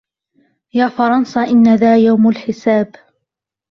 يا فرنسا إن ذا يوم الحساب